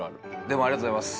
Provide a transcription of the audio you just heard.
でもありがとうございます。